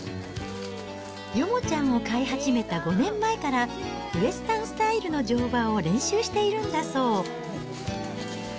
ヨモちゃんを飼い始めた５年前から、ウエスタンスタイルの乗馬を練習しているんだそう。